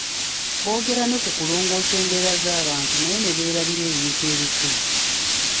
Bogera ne ku kulongoosa embeera z'abantu naye ne beerabira ebintu ebikulu.